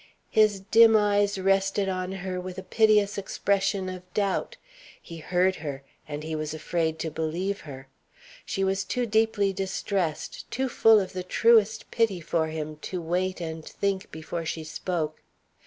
His dim eyes rested on her with a piteous expression of doubt. He heard her and he was afraid to believe her. She was too deeply distressed, too full of the truest pity for him, to wait and think before she spoke.